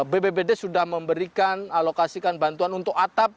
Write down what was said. bpbd sudah memberikan alokasikan bantuan untuk atap